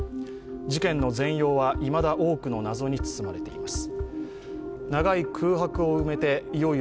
事件の全容はいまだ多くの謎に包まれています。